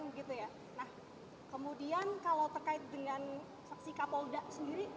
nah kemudian kalau terkait dengan saksi kapolda sendiri